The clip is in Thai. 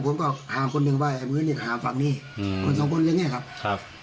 ผมก็หาคนหนึ่งว่าไอ้มือเนี่ยหาฝั่งนี้อืมคนสองคนอย่างเงี้ยครับครับ